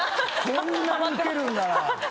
こんなにウケるんなら。